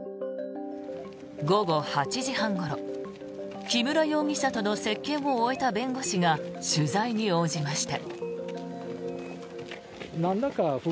午後８時半ごろ木村容疑者との接見を終えた弁護士が取材に応じました。